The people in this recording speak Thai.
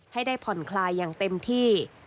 ให้ได้ผ่อนคลายอย่างเต็มที่